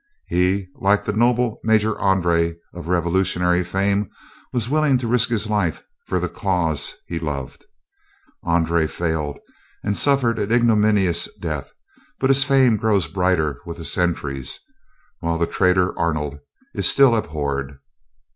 He, like the noble Major André of Revolutionary fame, was willing to risk his life for the cause he loved. André failed, and suffered an ignominious death; but his fame grows brighter with the centuries, while the traitor Arnold is still abhorred.